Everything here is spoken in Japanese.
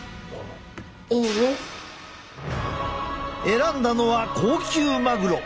選んだのは高級マグロ。